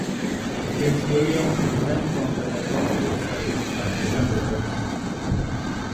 Prince William resigned from the diplomatic service and returned to Britain.